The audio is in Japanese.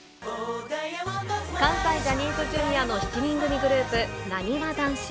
関西ジャニーズＪｒ．の７人組グループ、なにわ男子。